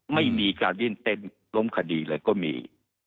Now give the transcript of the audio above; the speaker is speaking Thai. ไม่มีการยื่นเต้นล้มคดีเลยก็มี